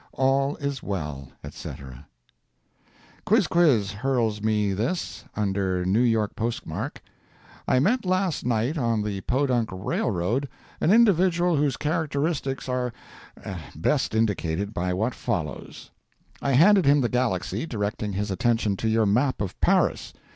All is well, &c. "Quizquiz" hurls me this, under New York postmark: "I met last night on the Podunk Railroad an individual whose characteristics are best indicated by what follows: "I handed him THE GALAXY, directing his attention to your map of Paris.